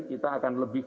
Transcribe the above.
kita akan lebih kuat